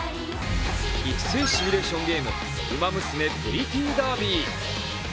育成シュミレーションゲーム、「ウマ娘プリティーダービー」。